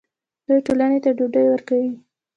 دوی ټولنې ته ډوډۍ ورکوي.